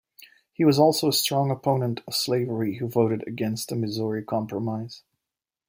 He was also a strong opponent of slavery who voted against the Missouri Compromise.